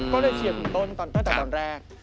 ก็เลยเชียร์คุณต้นตั้งแต่ตอนแรก